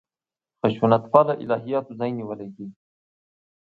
خشونت پاله الهیاتو ځای نیولی دی.